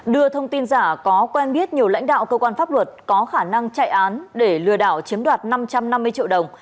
đưa thông tin giả có quen biết nhiều lãnh đạo cơ quan pháp luật có khả năng chạy án để lừa đảo chiếm đoạt năm trăm năm mươi triệu đồng